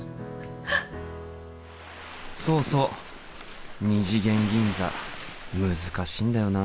そうそう二次元銀座難しいんだよな。